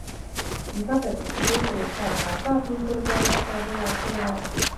Un kāpēc tad tika izdarīti tādi pārkāpumi, kuru dēļ aizgāja bojā cilvēki?